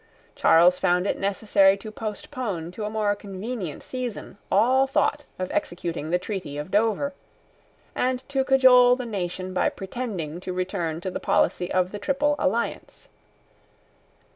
Charles found it necessary to postpone to a more convenient season all thought of executing the treaty of Dover, and to cajole the nation by pretending to return to the policy of the Triple Alliance.